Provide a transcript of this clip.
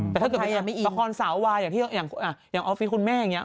แต่ถ้าเกิดละครสาววายอย่างออฟฟิศคุณแม่อย่างนี้